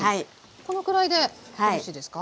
このくらいでよろしいですか？